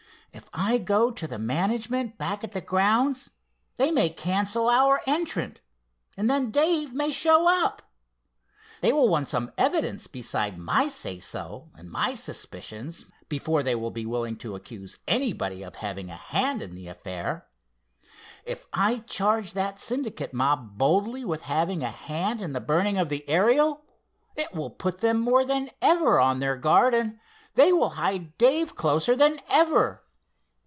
"If I go to the management back at the grounds, they may cancel our entrant, and then Dave may show up. They will want some evidence besides my say so, and my suspicions, before they will be willing to accuse anybody of having a hand in the affair. If I charge that Syndicate mob boldly with having a hand in the burning of the Ariel, it will put them more than ever on their guard, and they will hide Dave closer than ever.